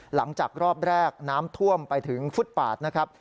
หลังจากรอบแรกน้ำท่วมไปถึงฟุตปาดนะครับ